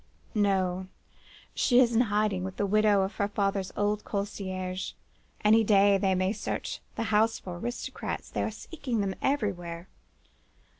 "'No! she is in hiding with the widow of her father's old concierge. Any day they may search the house for aristocrats. They are seeking them everywhere.